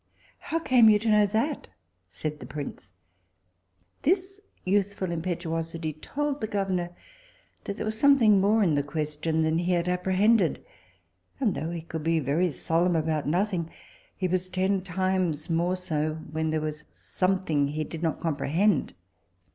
How came you to know that? Said the prince This youthful impetuosity told the governor that there was something more in the question than he had apprehended; and though he could be very solemn about nothing, he was ten times more so when there was something he did not comprehend.